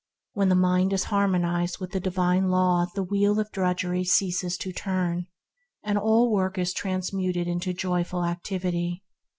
When the mind is harmonized with the Divine Law the wheel of drudgery ceases to turn, and all work is transmuted into joyful activity.